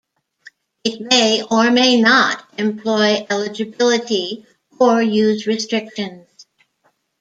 It may or may not employ eligibility or use restrictions.